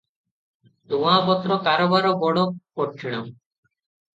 ଧୂଆଁପତ୍ର କାରବାର ବଡ କଠିଣ ।